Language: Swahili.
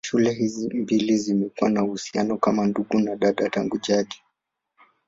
Shule hizi mbili zimekuwa na uhusiano kama wa ndugu na dada tangu jadi.